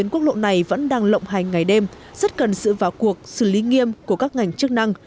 ngày vẫn đang lộng hành ngày đêm rất cần sự vào cuộc xử lý nghiêm của các ngành chức năng